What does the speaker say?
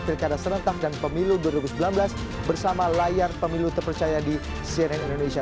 pilkada serentak dan pemilu dua ribu sembilan belas bersama layar pemilu terpercaya di cnn indonesia